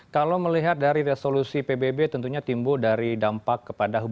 kalau melihat dari resolusi pbb tentunya timbul dari dampak kepada hubungan